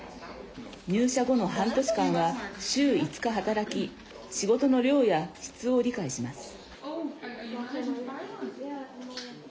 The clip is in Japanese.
入社後の半年間は週５日、働き仕事の量や質を理解します。